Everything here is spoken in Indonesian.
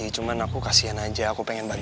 tidak ada apa apa lelah